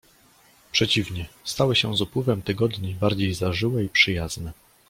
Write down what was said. "Przeciwnie, stały się z upływem tygodni bardziej zażyłe i przyjazne."